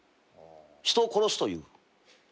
人を殺すという。